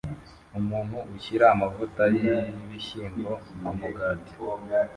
Umuntu ushyira amavuta y'ibishyimbo kumugati